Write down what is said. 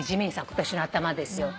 今年の頭ですよ。